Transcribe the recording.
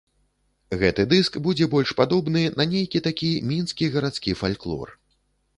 Гэты дыск будзе больш падобны на нейкі такі мінскі гарадскі фальклор.